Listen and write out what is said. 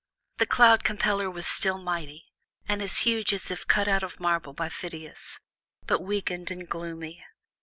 The Cloud Compeller was still mighty, and as huge as if cut out of marble by Phidias, but weakened and gloomy.